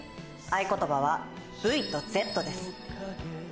合言葉は「Ｖ」と「Ｚ」です。